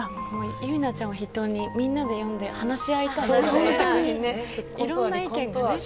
ゆいなちゃんを筆頭にみんなで話し合いたいよね。